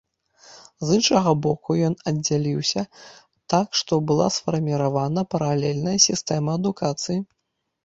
З іншага боку, ён аддзяліўся, так што была сфарміравана паралельная сістэма адукацыі.